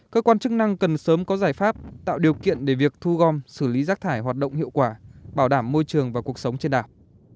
cơ quan chức năng cần sớm có giải pháp tạo điều kiện để việc thu gom xử lý rác thải hoạt động hiệu quả bảo đảm môi trường và cuộc sống trên đảo